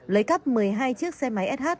lấy cắp một mươi hai chiếc xe máy sh